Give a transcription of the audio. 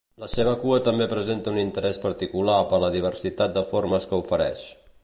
La seva cua també presenta un interès particular per la diversitat de formes que ofereix.